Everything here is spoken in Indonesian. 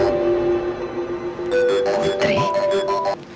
tetapi kami bawa books ini menjadi utida empat atau hmm tr expand vitamin ini